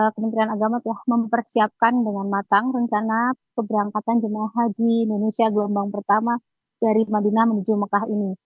kementerian agama telah mempersiapkan dengan matang rencana keberangkatan jemaah haji indonesia gelombang pertama dari madinah menuju mekah ini